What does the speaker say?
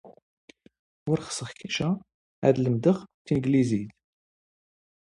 ⵓⵔ ⵅⵙⵖ ⵛⴰ ⴰⴷ ⵍⵎⴷⵖ ⵜⵉⵏⴳⵍⵉⵣⵉⵜ.